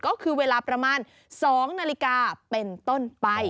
ก็คือเวลาประมาณ๒นาฬิกาเป็นต้นไป